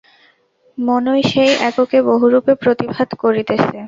মনই সেই এককে বহুরূপে প্রতিভাত করিতেছে।